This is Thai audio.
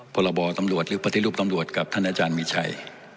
พรบตำรวจหรือปฏิรูปตำรวจกับท่านอาจารย์มีชัย